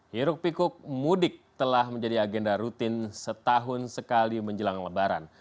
hiruk pikuk mudik telah menjadi agenda rutin setahun sekali menjelang lebaran